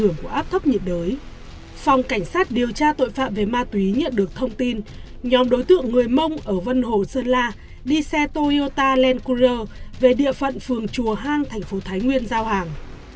năm hai nghìn một mươi bảy phòng cảnh sát điều tra tội phạm về ma túy công an tp thái nguyên tiến hành vây bắt hai đối tượng mua bán lùi xe cán bộ chiến sĩ tham gia chuyên án